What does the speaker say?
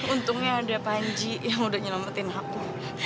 untungnya ada panji yang udah nyelamatin aku